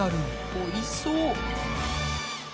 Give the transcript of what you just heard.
おいしそう。